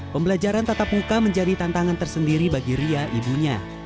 pembelajaran tatap muka menjadi tantangan tersendiri bagi ria ibunya